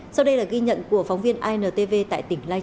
sau đây là ghi nhận của phóng viên intv tại tiếng việt